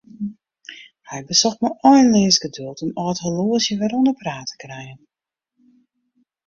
Hy besocht mei einleas geduld in âld horloazje wer oan 'e praat te krijen.